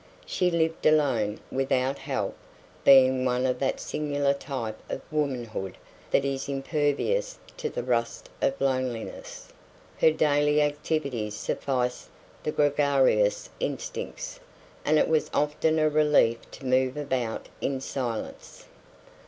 She lived alone, without help, being one of that singular type of womanhood that is impervious to the rust of loneliness. Her daily activities sufficed the gregarious instincts, and it was often a relief to move about in silence.